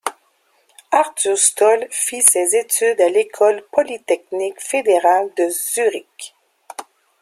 Arthur Stoll fit ses études à l'École polytechnique fédérale de Zurich.